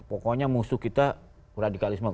pokoknya musuh kita radikalisme